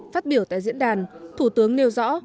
phát biểu tại diễn đàn thủ tướng nêu rõ